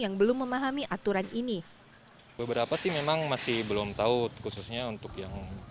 yang belum memahami aturan ini beberapa sih memang masih belum tahu khususnya untuk yang